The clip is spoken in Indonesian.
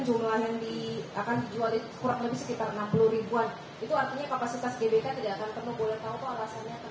itu artinya kapasitas gbk tidak akan penuh